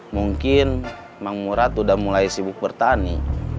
mungkin mang murad udah mulai sibuk bertani